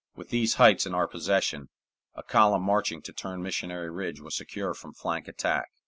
With these heights in our possession, a column marching to turn Missionary Ridge was secure from flank attack.